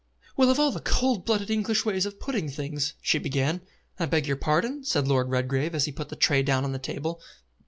"Well, of all the cold blooded English ways of putting things " she began. "I beg your pardon?" said Lord Redgrave as he put the tray down on the table.